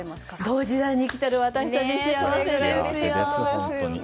同時代に生きている私たち幸せですよね。